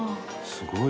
すごい！